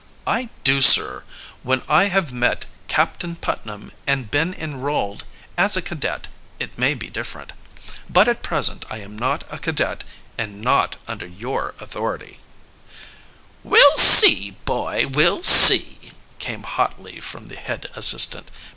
"I do, sir. When I have met Captain Putnam and been enrolled as a cadet it may be different. But at present I am not a cadet and not under your authority." "We'll see, boy, we'll see!" came hotly from the head assistant.